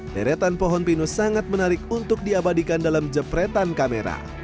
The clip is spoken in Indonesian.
deretan pohon pinus sangat menarik untuk diabadikan dalam jepretan kamera